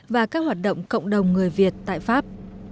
và các hoạt động cộng đồng người việt tại pháp